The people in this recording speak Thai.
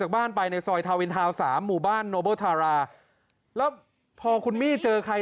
ตอนแรกคิดว่าน้องจะกลับมา